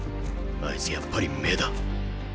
あいつやっぱり目だ。